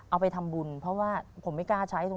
เอาไปทำบุญเพราะว่าผมไม่กล้าใช้ตรง